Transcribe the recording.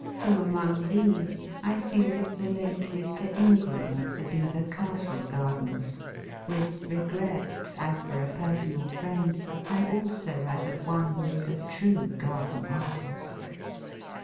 From among these I think of the late Mr. Ingram of the Belvoir Castle gardens, with regret as for a personal friend, and also as of one who was a true garden artist.